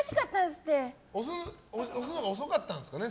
押すのが遅かったんですかね。